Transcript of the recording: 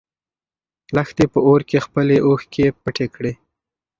لښتې په اور کې خپلې اوښکې پټې کړې.